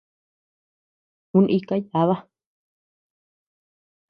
Uu ika yába.